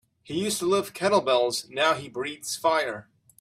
He used to lift kettlebells now he breathes fire.